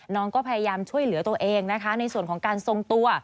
น้องก็พยายามช่วยเหลือตัวเองนะคะในส่วนของการทรงตัว